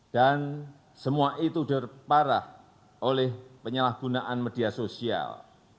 dan semua itu terparah oleh penyalahgunaan media sosial